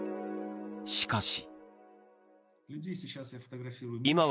しかし。